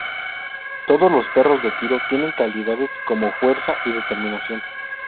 Todo los perros de tiro tienen calidades como fuerza y determinación.